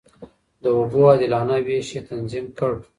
د اوبو عادلانه وېش يې تنظيم کړ.